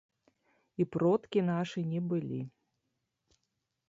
І продкі нашы не былі.